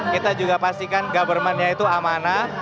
kita juga pastikan government nya itu amanah